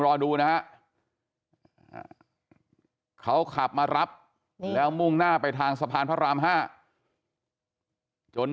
รอดูนะฮะเขาขับมารับแล้วมุ่งหน้าไปทางสะพานพระราม๕จน